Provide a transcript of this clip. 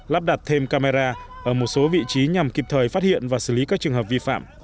lắp đặt thêm camera ở một số vị trí nhằm kịp thời phát hiện và xử lý các trường hợp vi phạm